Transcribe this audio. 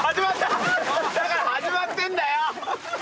だからはじまってんだよ。